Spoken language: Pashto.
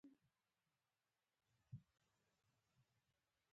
پنځو تر پنځه ویشتو ضرورتونو کې.